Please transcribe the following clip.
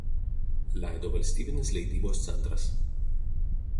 Leido Valstybinis leidybos centras.